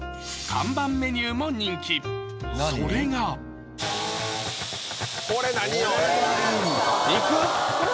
看板メニューも人気それがこれ何よ⁉肉？